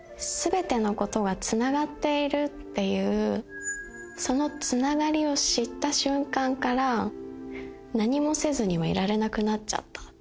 全てのことはつながっているっていうそのつながりを知った瞬間から何もせずにはいられなくなっちゃった。